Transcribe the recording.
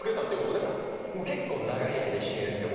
長い間一緒にいるんすよ。